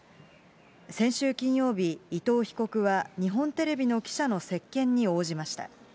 先週金曜日、伊藤被告は日本テレビの記者の接見に応じました。